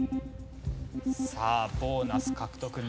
さあボーナス獲得なるか？